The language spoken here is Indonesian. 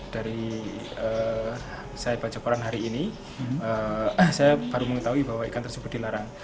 dari saya baca koran hari ini saya baru mengetahui bahwa ikan tersebut dilarang